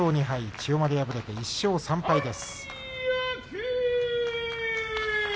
千代丸、負けて１勝３敗です。